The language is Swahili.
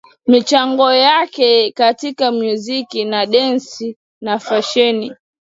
Michango yake katika muziki wa dansi na fasheni